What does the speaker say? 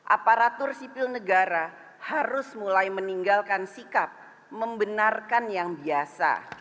aparatur sipil negara harus mulai meninggalkan sikap membenarkan yang biasa